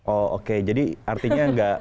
oh oke jadi artinya nggak